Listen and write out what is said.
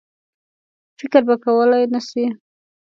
فکر به کولای نه سي.